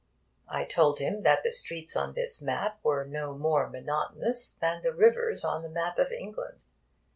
I told him that the streets on this map were no more monotonous than the rivers on the map of England.